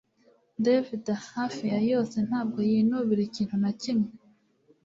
David hafi ya yose ntabwo yinubira ikintu na kimwe